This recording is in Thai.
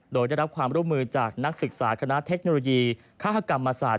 โดยได้รับความร่วมมือจากนักศึกษาคณะเทคโนโลยีฆาตกรรมศาสตร์